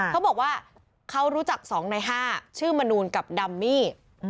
เขาบอกว่าเขารู้จัก๒ใน๕ชื่อมนูลกับดัมมี่